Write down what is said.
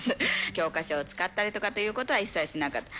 教科書を使ったりということは一切しなかった。